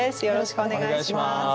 よろしくお願いします。